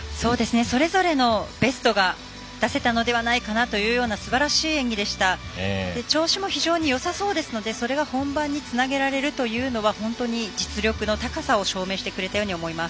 それぞれのベストが出せたのではないかなというようなすばらしい演技でした調子も非常によさそうですのでそれが本番につなげられるというのは本当に実力の高さを証明してくれたように思います。